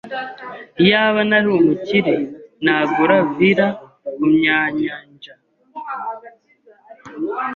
Iyaba nari umukire, nagura villa kumyanyanja.